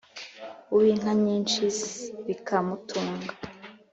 uw’inka nyinshi bikamutunga